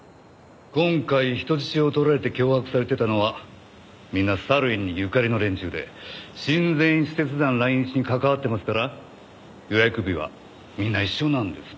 今回人質を取られて脅迫されてたのはみんなサルウィンにゆかりの連中で親善使節団来日に関わってますから予約日はみんな一緒なんです。